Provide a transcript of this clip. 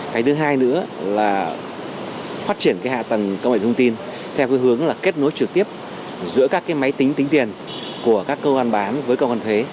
cái thứ hai nữa là phát triển hạ tầng công nghệ thông tin theo hướng là kết nối trực tiếp giữa các cái máy tính tính tiền của các cơ quan bán với cơ quan thuế